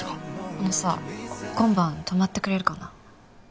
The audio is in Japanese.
あのさ今晩泊まってくれるかな？